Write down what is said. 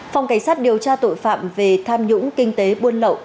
phòng cảnh sát điều tra tội phạm về tham nhũng kinh tế buôn lậu